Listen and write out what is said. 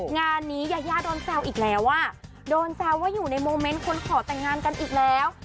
งานนี้ยายาโดนแซวอีกแล้วว่าโดนแซวว่าอยู่ในโมเมนต์คนขอแต่งงานกันอีกแล้ว